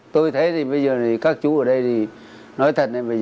tôi thấy bây giờ các chú ở đây nói thật